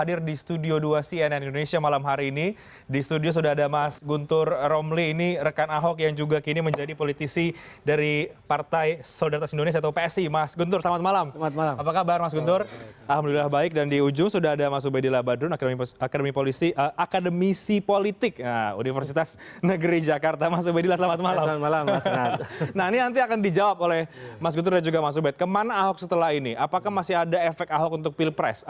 dia tidak ingin nyalek dia tidak ingin jadi menteri